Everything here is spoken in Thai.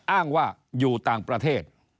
อ้างว่าอยู่ต่างประเทศ